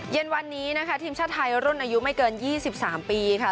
เย็นวันนี้นะคะทีมชาติไทยรุ่นอายุไม่เกิน๒๓ปีค่ะ